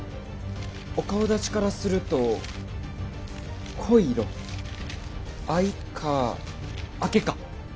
お顔だちからすると濃い色藍か緋か。